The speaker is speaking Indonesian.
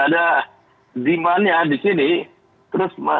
ya memang angka itu terus bertumbang ya